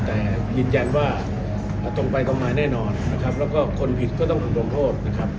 แต่ยืนยันว่าตรงไปตรงมาแน่นอนนะครับแล้วก็คนผิดก็ต้องถูกลงโทษนะครับ